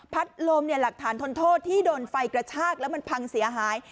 ลมหลักฐานทนโทษที่โดนไฟกระชากแล้วมันพังเสียหาย